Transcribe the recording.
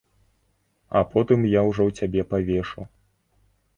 А потым я ўжо цябе павешу!